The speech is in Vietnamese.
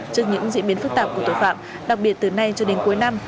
trước những diễn biến phức tạp của tội phạm đặc biệt từ nay cho đến cuối năm